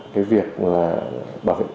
cái việc bảo vệ